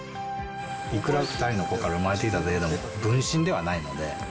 いくら２人の子に生まれてきたといっても、分身ではないので。